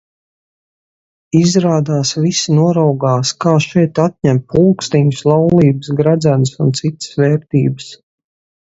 Izrādās, visi noraugās kā šeit atņem pulksteņus, laulības gredzenus, un citas vērtības.